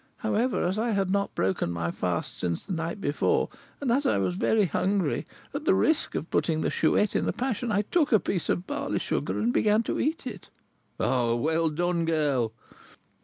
However, as I had not broken my fast since the night before, and as I was very hungry, at the risk of putting the Chouette in a passion, I took a piece of barley sugar, and began to eat it." "Well done, girl!"